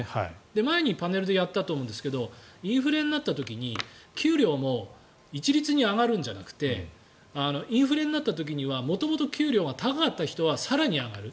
前にパネルでやったと思うんですけどインフレになった時に給料も一律に上がるんじゃなくてインフレになった時には元々、給料が高かった人は更に上がる。